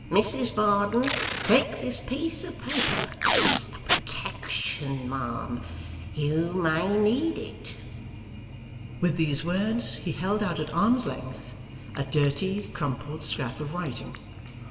Mrs Varden, take this piece of paper. It's a protection, ma'am. You may need it.' With these words he held out at arm's length, a dirty, crumpled scrap of writing.